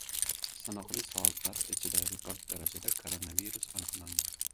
Sanoqli soatlar ichida rekord darajada koronavirus aniqlandi!